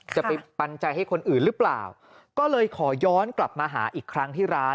จะไปปันใจให้คนอื่นหรือเปล่าก็เลยขอย้อนกลับมาหาอีกครั้งที่ร้าน